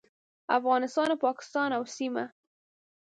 افغانستان، پاکستان او سیمه